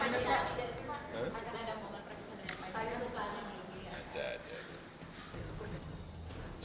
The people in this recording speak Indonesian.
soal perbu pak